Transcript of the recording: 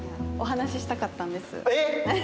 えっ！？